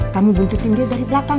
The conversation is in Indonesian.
kamu buntutin dia dari belakang